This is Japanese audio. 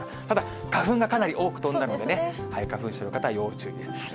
ただ、花粉がかなり多く飛んだのでね、花粉症の方、要注意です。